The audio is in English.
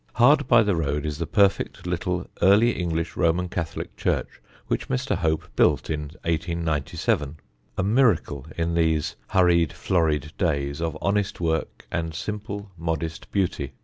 Hard by the road is the perfect little Early English Roman Catholic church which Mr. Hope built in 1897, a miracle, in these hurried florid days, of honest work and simple modest beauty.